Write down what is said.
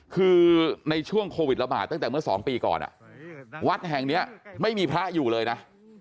คือในช่วงโควิดระบาดตั้งแต่เมื่อ๒ปีก่อนวัดแห่งนี้ไม่มีพระอยู่เลยนะ